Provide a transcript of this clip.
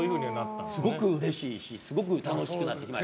すごくうれしいしすごく楽しくなってきてる。